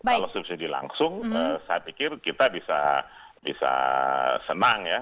kalau subsidi langsung saya pikir kita bisa senang ya